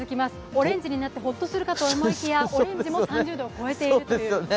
オレンジになってホッとするかと思いきやオレンジも３０度を超えているという。